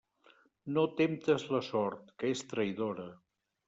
No temptes la sort, que és traïdora.